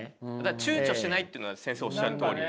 躊躇しないっていうのは先生おっしゃるとおりで。